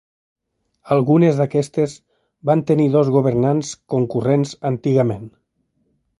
Algunes d'aquestes van tenir dos governants concurrents antigament.